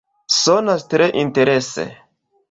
Sonas tre interese!